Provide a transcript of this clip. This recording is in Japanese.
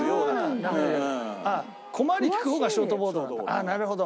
あっなるほど。